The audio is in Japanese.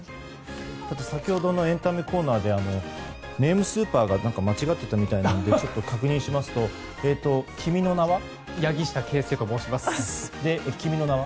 先ほどのエンタメコーナーでネームスーパーが間違っていたみたいなので確認しますと君の名は？